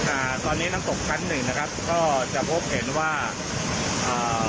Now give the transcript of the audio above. อ่าตอนนี้น้ำตกชั้นหนึ่งนะครับก็จะพบเห็นว่าอ่า